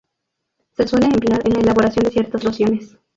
Se suele emplear en la elaboración de ciertas lociones.